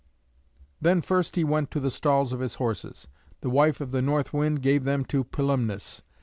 '" Then first he went to the stalls of his horses. The wife of the North Wind gave them to Pilumnus.